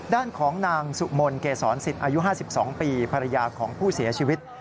ด้านของนางสุมนเกษรสิทธิ์อายุ๕๒ปีภรรยาของผู้เสียชีวิต